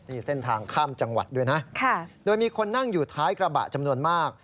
นี่เส้นทางข้ามจังหวัดด้วยนะโดยมีคนนั่งอยู่ท้ายกระบะจำนวนมาก